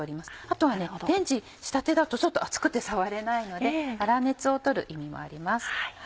あとはねレンジしたてだとちょっと熱くて触れないので粗熱を取る意味もあります。